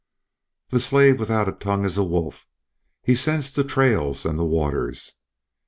"The slave without a tongue is a wolf. He scents the trails and the waters.